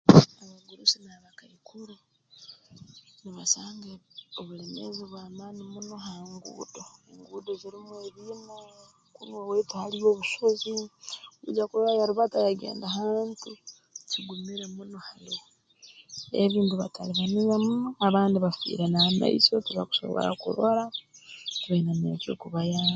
Abagurusi n'abakaikuru nibasanga obulemeezi bw'amaani muno ha nguudo enguudo zirumu ebiina kunu owaitu haliyo obusozi kwija kurora yarubata yagenda hantu kigumire muno hali we ebi mbibatalibaniza muno abandi bafiire n'amaiso tibakusobora kurora tibaine n'eky'okubayamba